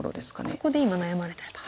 そこで今悩まれてると。